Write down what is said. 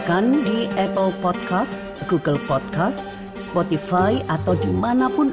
atau berbicara dengan buruk tentang orang lain